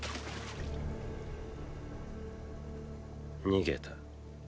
・逃げた。